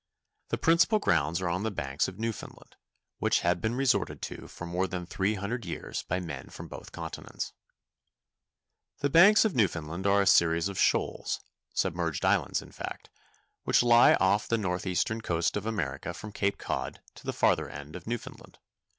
The principal grounds are on the Banks of Newfoundland, which have been resorted to for more than three hundred years by men from both continents. [Illustration: HAND LINE FISHING ON THE GRAND BANKS.] The Banks of Newfoundland are a series of shoals—submerged islands, in fact—which lie off the northeastern coast of America from Cape Cod to the farther end of Newfoundland.